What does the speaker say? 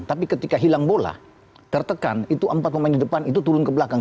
tapi ketika hilang bola tertekan itu empat pemain di depan itu turun ke belakang